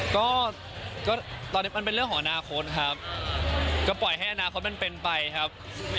ก็ตอนนี้มันเป็นเรื่องของอนาคตครับก็ปล่อยให้อนาคตมันเป็นไปครับ